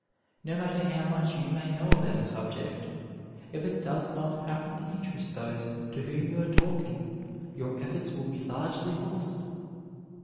No matter how much you may know about a subject, if it does not happen to interest those to whom you are talking your efforts will be largely lost.